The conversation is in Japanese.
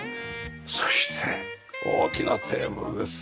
そして大きなテーブルです。